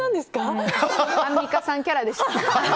アンミカさんキャラでした。